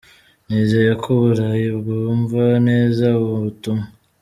Nizeye ko Uburayi bwumva neza ubu butumwa.